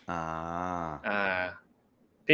อ่า